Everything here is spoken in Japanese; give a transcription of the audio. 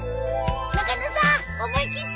中野さん思い切って！